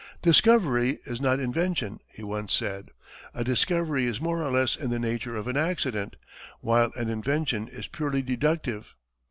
"Discovery is not invention," he once said. "A discovery is more or less in the nature of an accident, while an invention is purely deductive.